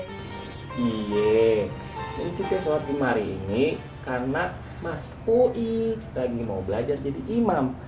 iya intinya sholat di mari ini karena mas pui kita ingin mau belajar jadi imam